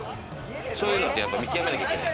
そういうのを見極めなきゃいけない。